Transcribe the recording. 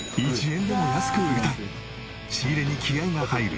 仕入れに気合が入る